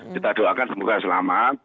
kita doakan semoga selamat